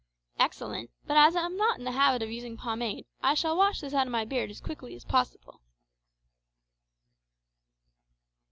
"Excellent; but as I'm not in the habit of using pomade, I shall wash this out of my beard as quickly as possible."